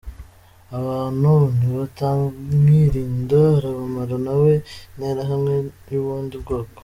Abantu nibatamwirinda arabamara nawe interahamwe yubundi bwoko.